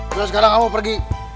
yaudah sekarang kamu pergi